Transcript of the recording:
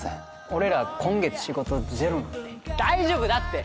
俺ら今月仕事ゼロなんで大丈夫だって！